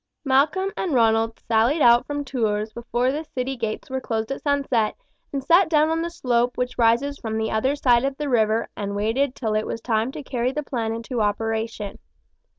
Malcolm and Ronald sallied out from Tours before the city gates were closed at sunset, and sat down on the slope which rises from the other side of the river and waited till it was time to carry the plan into operation.